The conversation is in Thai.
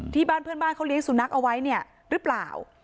ที่บ้านเพื่อนบ้านเขาเลี้ยงสุนัขเอาไว้เนี่ยหรือเปล่า